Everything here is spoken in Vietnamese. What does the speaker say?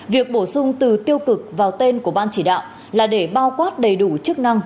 việc bổ sung từ tiêu cực vào tên của ban chỉ đạo là để bao quát đầy đủ chức năng